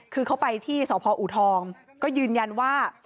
คือเขาไปที่สพอูทองก็ยืนยันว่า